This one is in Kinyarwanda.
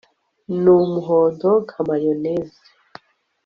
n'umuhondo, nka mayoneze